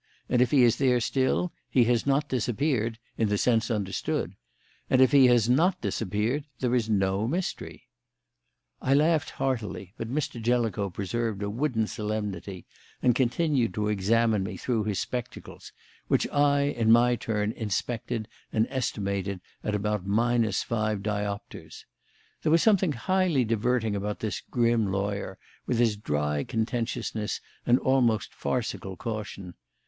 And if he is there still, he has not disappeared in the sense understood. And if he has not disappeared, there is no mystery." I laughed heartily, but Mr. Jellicoe preserved a wooden solemnity and continued to examine me through his spectacles (which I, in my turn, inspected and estimated at about minus five dioptres). There was something highly diverting about this grim lawyer, with his dry contentiousness and almost farcical caution.